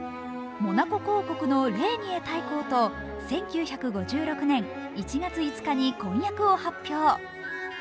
モナコ公国のレーニエ大公と１９５６年１月５日に婚約を発表。